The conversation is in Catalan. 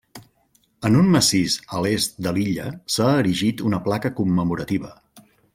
En un massís a l'est de l'illa s'ha erigit una placa commemorativa.